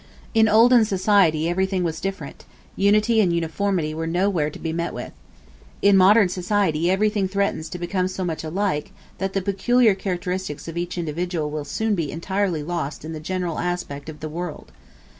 In olden society everything was different; unity and uniformity were nowhere to be met with. In modern society everything threatens to become so much alike, that the peculiar characteristics of each individual will soon be entirely lost in the general aspect of the world.